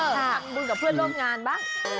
ทำบุญกับเพื่อนร่วมงานบ้าง